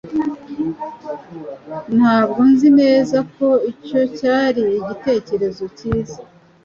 Ntabwo nzi neza ko icyo cyari igitekerezo cyiza.